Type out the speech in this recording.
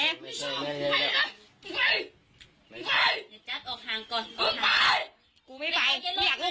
นี่รถไหม